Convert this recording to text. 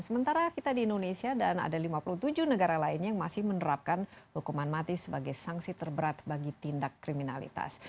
sementara kita di indonesia dan ada lima puluh tujuh negara lainnya yang masih menerapkan hukuman mati sebagai sanksi terberat bagi tindak kriminalitas